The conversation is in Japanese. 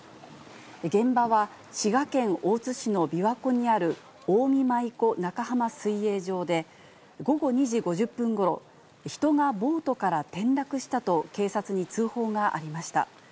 現場は滋賀県大津市の琵琶湖にある近江舞子中浜水泳場で、午後２時５０分ごろ、人がボートから転落したと警察に通報がありました。